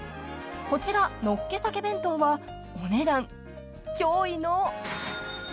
［こちらのっけ鮭弁当はお値段驚異の］